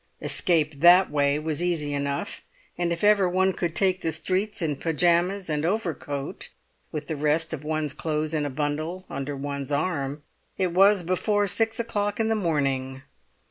Escape that way was easy enough; and if ever one could take the streets in pyjamas and overcoat, with the rest of one's clothes in a bundle under one's arm, it was before six o'clock in the morning.